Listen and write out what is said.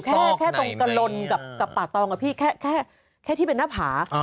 แค่แค่ตรงกะลนกับกับป่าตองอะพี่แค่แค่แค่ที่เป็นน้ำภาพ